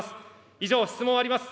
以上、質問を終わります。